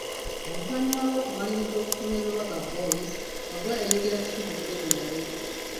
Oluvannyuma lw'okumaliriza okusoma e Lubaga boys Kaggwa yayingira Kisubi Seminary.